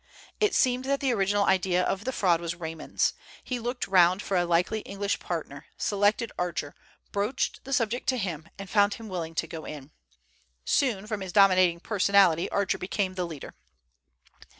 It seemed that the original idea of the fraud was Raymond's. He looked round for a likely English partner, selected Archer, broached the subject to him, and found him willing to go in. Soon, from his dominating personality, Archer became the leader.